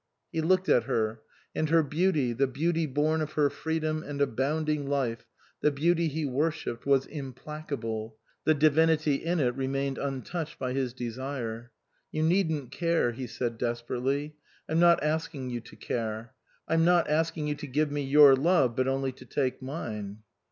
He looked at her ; and her beauty, the beauty born of her freedom and abounding life, the beauty he worshipped, was implacable ; the divinity in it remained untouched by his desire. "You needn't care," he said desperately. "I'm not asking you to care ; I'm not asking you to give me your love, but only to take mine."